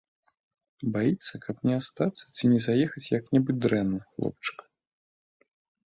Баіцца, каб не астацца ці не заехаць як-небудзь дрэнна, хлопчык.